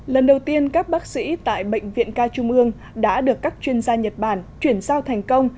lần đầu tiên các bác sĩ tại bệnh viện ca trung ương đã được các chuyên gia nhật bản chuyển giao thành công